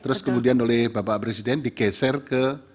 terus kemudian oleh bapak presiden digeser ke